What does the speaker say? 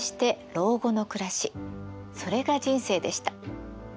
それが人生でした。